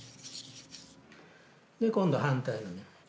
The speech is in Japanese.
で今度反対の面。